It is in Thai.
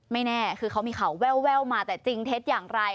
แน่คือเขามีข่าวแววมาแต่จริงเท็จอย่างไร